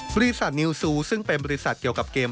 บริษัทนิวซูซึ่งเป็นบริษัทเกี่ยวกับเกม